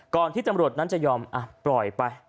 ก่อนที่จำรวจนั้นจะยอมอ่ะปล่อยไป